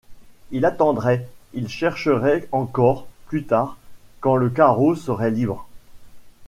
Il attendrait, il chercherait encore, plus tard, quand le carreau serait libre.